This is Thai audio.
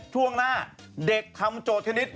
ช่วงหน้าเด็กทำโจทย์ธนิด๑๖๐๐๐ข้อ